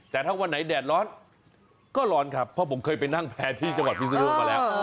แต่ถ้าวันไหนแดดร้อนก็ร้อนครับเพราะผมเคยไปนั่งแพร่ที่จังหวัดพิศนุโลกมาแล้ว